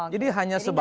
jadi hanya sebatas